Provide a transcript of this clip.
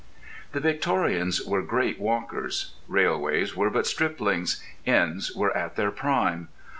The Victorians were great walkers. Railways were but striplings; inns were at their prime.